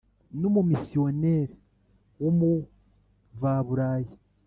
N umumisiyoneri w umuvaburayi